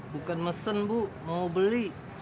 bukan mesen bu mau beli